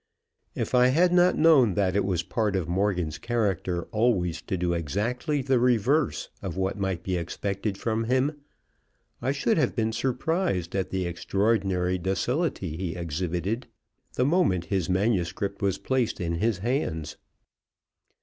If I had not known that it was part of Morgan's character always to do exactly the reverse of what might be expected from him, I should have been surprised at the extraordinary docility he exhibited the moment his manuscript was placed in his hands.